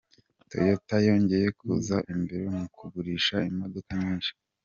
Toyota yongeye kuza imbere mu kugurisha imodoka nyinshi